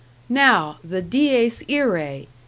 "Now, the 'Dies Irae.'